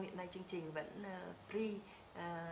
hiện nay chương trình vẫn free